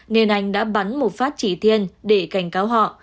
nên anh đã bắn một phát chỉ thiên để cảnh cáo họ